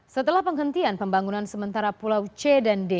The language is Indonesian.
setelah penghentian pembangunan sementara pulau c dan d